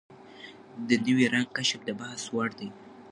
د نوي رنګ کشف د بحث وړ دی.